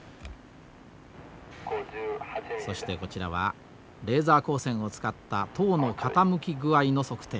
そしてこちらはレーザー光線を使った塔の傾き具合の測定。